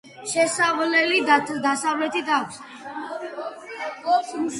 შესასვლელი დასავლეთით აქვს.